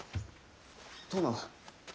殿。